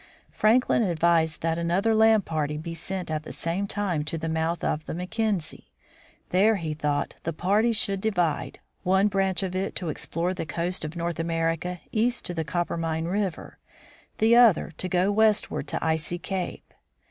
Franklin advised that another land party be sent at the same time to the mouth of the Mackenzie. There, he thought, the party should divide, one branch of it to ex plore the coast of North America east to the Coppermine river, the other to go westward to Icy cape.